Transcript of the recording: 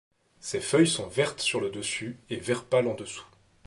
Ces feuilles sont vertes sur le dessus et vert pâle en dessous.